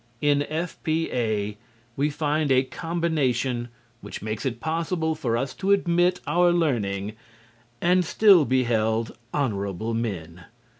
In F.P.A. we find a combination which makes it possible for us to admit our learning and still be held honorable men.